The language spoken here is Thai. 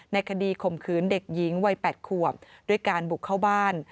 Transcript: คดีข่มขืนเด็กหญิงวัย๘ขวบด้วยการบุกเข้าบ้าน